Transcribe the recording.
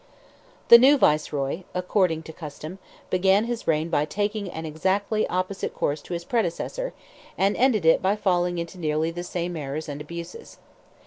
The new Viceroy, according to custom, began his reign by taking an exactly opposite course to his predecessor, and ended it by falling into nearly the same errors and abuses.